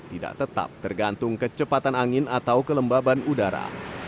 tidak tetap tergantung kecepatan angin atau kelembaban udara